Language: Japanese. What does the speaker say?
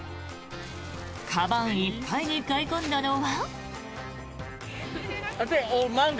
かばんいっぱいに買い込んだのは。